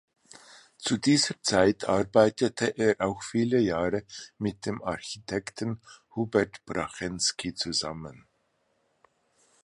Zu dieser Zeit arbeitete er auch viele Jahre mit dem Architekten Hubert Prachensky zusammen.